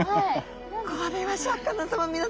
これはシャーク香音さま皆さま。